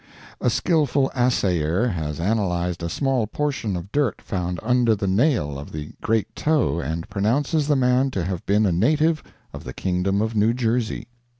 A skillful assayer has analyzed a small portion of dirt found under the nail of the great toe and pronounces the man to have been a native of the Kingdom of New Jersey.